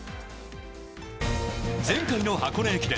前回の箱根駅伝。